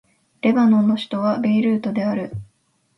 レバノンの首都はベイルートである